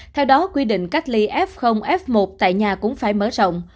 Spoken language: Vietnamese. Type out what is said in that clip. theo đó quy định cách ly f f một tại nhà cũng phải mở rộng